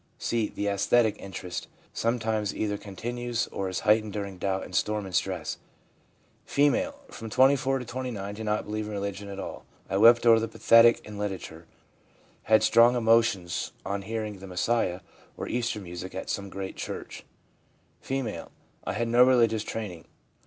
1 (c) The (Esthetic interest sometimes either continues or is heightened during doubt and storm and stress. F. ' From 24 to 29 I did not believe in religion at all. I wept over the pathetic in literature; had strong emotions on hearing " The Messiah " or Easter music at some great church/ F. ' I had no religious training.